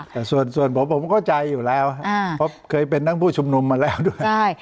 แต่ส่วนผมผมเข้าใจอยู่แล้วเพราะเคยเป็นทั้งผู้ชุมนุมมาแล้วด้วย